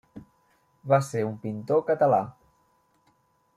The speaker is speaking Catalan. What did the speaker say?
Va ser un pintor català.